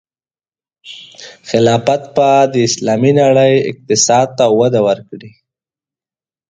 خلافت به د اسلامي نړۍ اقتصاد ته وده ورکړي.